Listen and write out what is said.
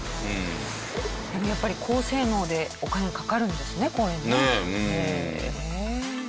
でもやっぱり高性能でお金はかかるんですねこういうのね。